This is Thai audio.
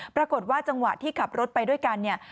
ปรากฏว่าจังหวะที่ขับรถไปด้วยกันเนี่ย